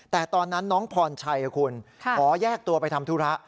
แต่ตอนนั้นน้องพรชัยคุณขอแยกตัวไปทำธุระ